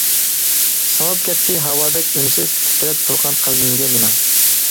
سىڭىپ كەتتى ھاۋادەك ئۈنسىز، تىترەپ تۇرغان قەلبىمگە مېنىڭ.